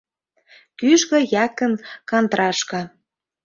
Кӱжгӧ Якын Кантрашка